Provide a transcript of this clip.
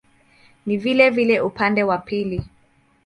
Ni vilevile upande wa pili.